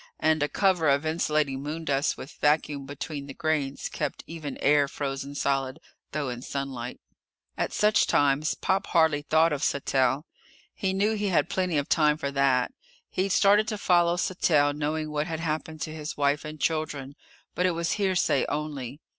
And a cover of insulating moondust with vacuum between the grains kept even air frozen solid, though in sunlight. At such times Pop hardly thought of Sattell. He knew he had plenty of time for that. He'd started to follow Sattell knowing what had happened to his wife and children, but it was hearsay only.